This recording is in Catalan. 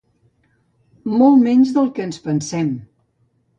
Molt menys del que ens pensem.